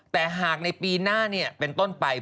แต่หากในปีหน้าเป็นต้นไป